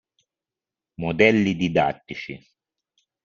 Modelli didattici.